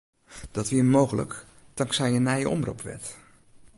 Dat wie mooglik tanksij in nije omropwet.